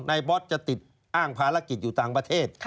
บอสจะติดอ้างภารกิจอยู่ต่างประเทศ